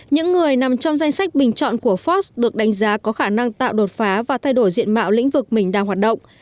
những người nằm trong danh sách bình chọn của ford được đánh giá có khả năng tạo đột phá và thay đổi diện mạo lĩnh vực mình đang hoạt động